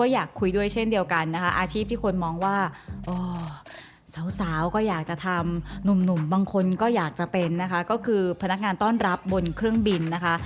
อยากจะทำหนุ่มบางคนก็อยากจะเป็นนะคะก็คือพนักงานต้อนรับบนเครื่องบินนะคะ